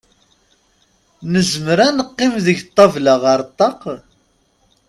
Nezmzer ad neqqim deg ṭabla ar ṭaq?